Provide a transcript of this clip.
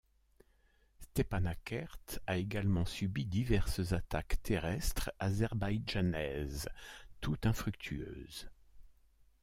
Stepanakert a également subi diverses attaques terrestres azerbaïdjanaises, toutes infructueuses.